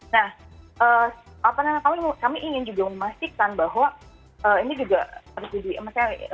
nah apa namanya kami ingin juga memastikan bahwa ini juga harus jadi